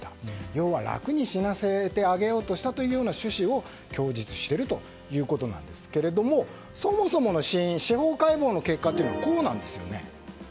要は楽に死なせてあげようとしたという趣旨を供述しているんですけれどもそもそもの死因司法解剖の結果はこうなんですよね。